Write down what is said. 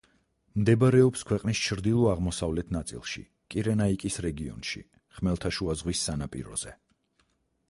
მდებარეობს ქვეყნის ჩრდილო-აღმოსავლეთ ნაწილში, კირენაიკის რეგიონში, ხმელთაშუა ზღვის სანაპიროზე.